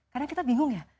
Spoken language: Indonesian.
karena kita bingung ya